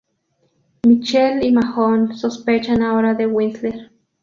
Michael y Mahone sospechan ahora de Whistler.